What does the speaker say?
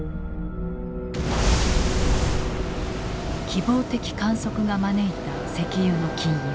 希望的観測が招いた石油の禁輸。